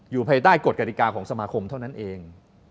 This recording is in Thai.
ภายใต้กฎกฎิกาของสมาคมเท่านั้นเอง